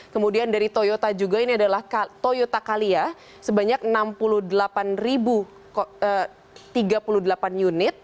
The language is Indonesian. kemudian dari toyota juga ini adalah toyota calia sebanyak enam puluh delapan tiga puluh delapan unit